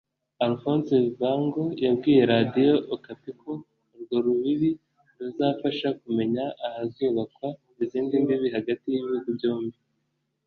Alphonse Vango yabwiye Radiyo Okapi ko urwo rubibi ruzafasha kumenya ahazubakwa izindi mbibi hagati y’ibihugu byombi